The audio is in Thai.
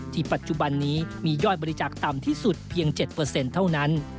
ปัจจุบันนี้มียอดบริจาคต่ำที่สุดเพียง๗เท่านั้น